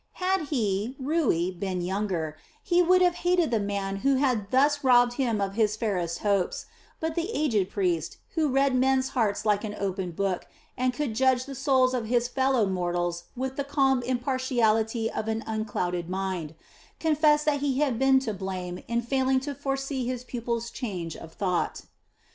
Had he, Rui, been younger, he would have hated the man who had thus robbed him of his fairest hopes; but the aged priest, who read men's hearts like an open book and could judge the souls of his fellow mortals with the calm impartiality of an unclouded mind, confessed that he had been to blame in failing to foresee his pupil's change of thought.